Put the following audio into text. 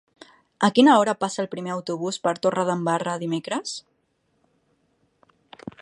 A quina hora passa el primer autobús per Torredembarra dimecres?